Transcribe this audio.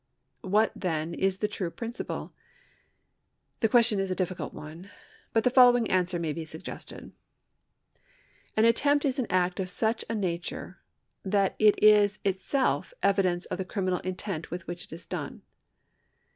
What, then, is the true j^rinciple ? The question is a diffi cidt one, but the following answer may be suggested. An attempt is an act of such a nature that it is itself evidence of the criminal intent with which it is done.